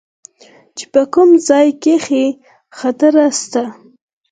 چې په کوم ځاى کښې خطره سته.